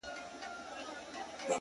د څه ووايم سرې تبې نيولی پروت دی”